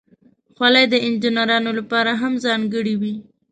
خولۍ د انجینرانو لپاره هم ځانګړې وي.